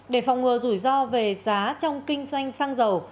để phòng ngừa rủi ro về giá trong kinh doanh xăng dầu